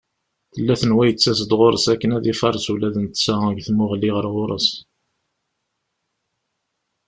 Tella tenwa yettas-d ɣur-s akken ad ifares ula d netta deg tmuɣli ɣer ɣur-s.